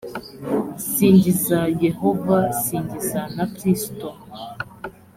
singiza yehova singiza na kristo